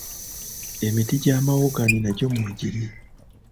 emiti gya mawogani nagyo mwegiri.